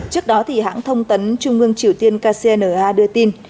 trước đó hãng thông tấn trung ương triều tiên kcna đưa tin